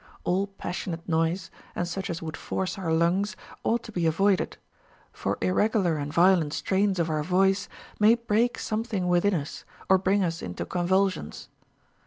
All passionate noise, and such as would force our lungs, ought to be avoided ; for irregular and violent strains of our voice may break something within us, or bring us into convul sions.